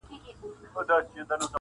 زه یاغي له نمرودانو له ایمان سره همزولی-